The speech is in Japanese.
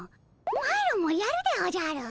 マロもやるでおじゃる！